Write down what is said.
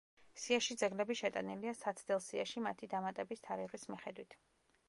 სიაში ძეგლები შეტანილია საცდელ სიაში მათი დამატების თარიღის მიხედვით.